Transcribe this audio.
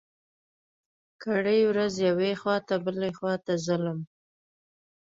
کرۍ ورځ يوې خوا ته بلې خوا ته ځلم.